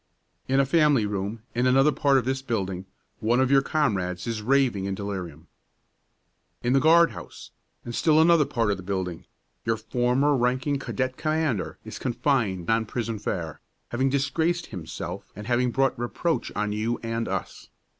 "In a family room, in another part of this building, one of your comrades is raving in delirium. "In the guard house, in still another part of the building, your former ranking cadet commander is confined on prison fare, having disgraced himself and having brought reproach on you and us.